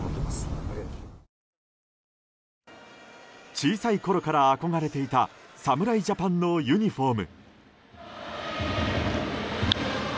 小さいころから憧れていた侍ジャパンのユニホーム。